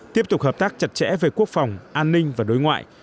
tiếp tục hợp tác chặt chẽ về quốc phòng an ninh và đối ngoại